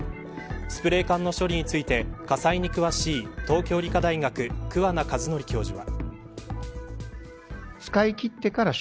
スプレー缶の処理について火災に詳しい東京理科大学桑名一徳教授は。